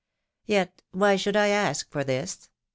. Yet why should I ask for this